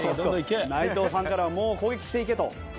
内藤さんからはもう攻撃していけというような発言。